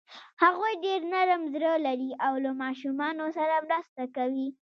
هغوی ډېر نرم زړه لري او له ماشومانو سره مرسته کوي.